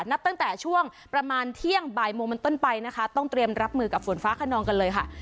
นับตั้งแต่ช่วงประมาณเที่ยงบ่ายโมงเป็นต้นไปนะคะต้องเตรียมรับมือกับฝนฟ้าขนองกันเลยค่ะ